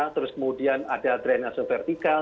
terus kemudian ada drainase vertikal